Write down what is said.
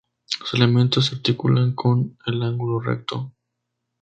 Los elementos se articulan con el ángulo recto.